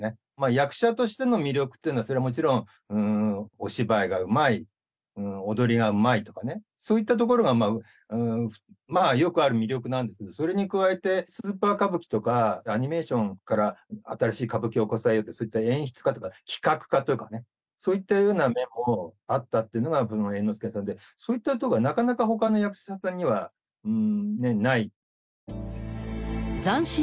役者としての魅力ってのは、それはもちろんお芝居がうまい、踊りがうまいとかね、そういったところがよくある魅力なんですけれども、それに加えて、スーパー歌舞伎とか、アニメーションから新しい歌舞伎をこさえた、演出家というか、企画家とかね、そういったような面もあったという猿之助さんで、そういったところは、なかなかほかの役者さんにはない。